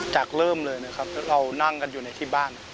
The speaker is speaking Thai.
เริ่มเลยนะครับเรานั่งกันอยู่ในที่บ้าน